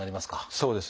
そうですね。